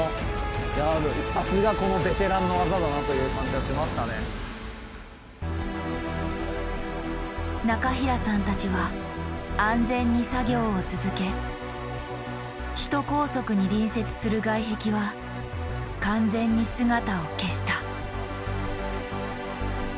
でもそういった中平さんたちは安全に作業を続け首都高速に隣接する外壁は完全に姿を消した。